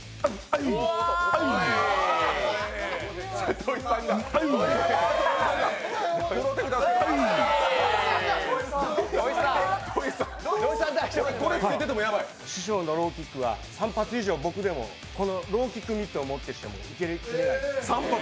土居さんが師匠のローキックは３回以上は、このローキックミットをもってしても受けきれないです。